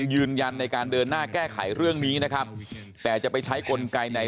ยืนยันในการเดินหน้าแก้ไขเรื่องนี้นะครับแต่จะไปใช้กลไกไหน